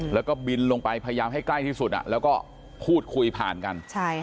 แล้วก็บินลงไปพยายามให้ใกล้ที่สุดแล้วก็พูดคุยผ่านกัน